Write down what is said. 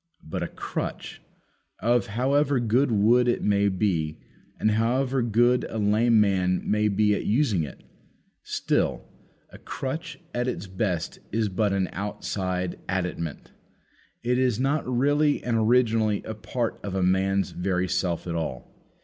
But a crutch, of however good wood it may be made, and however good a lame man may be at using it still, a crutch at its best is but an outside additament; it is not really and originally a part of a man's very self at all.